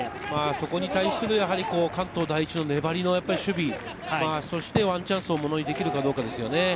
そこに対する関東第一の粘りの守備、そしてワンチャンスをものにできるかどうかですね。